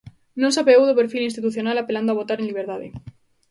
Non se apeou do perfil institucional apelando a votar en liberdade.